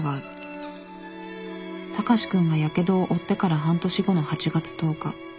高志くんがやけどを負ってから半年後の８月１０日。